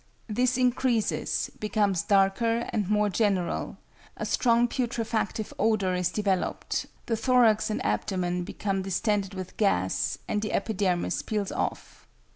This increases, becomes darker and more general, a strong putrefactive odour is developed, the thorax and abdomen become distended with gas, and the epidermis peels off.